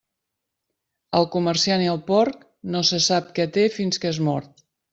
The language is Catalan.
El comerciant i el porc, no se sap què té fins que és mort.